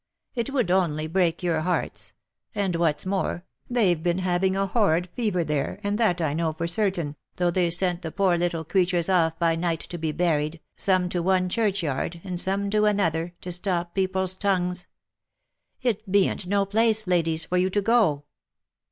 It would only break your hearts ; and what's more, they've been having a horrid fever there, and that I know for certain, though they sent the poor little creturs off by night to be buried, some to one churchyard, and some to another, to stop people's tongues. It bean't no place, ladies, for you to go."